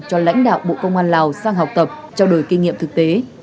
cho lãnh đạo bộ công an lào sang học tập trao đổi kinh nghiệm thực tế